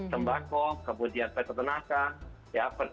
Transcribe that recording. tembako kemudian peta tenaga ya